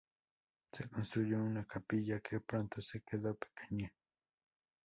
Se construyó una capilla, que pronto se quedó pequeña.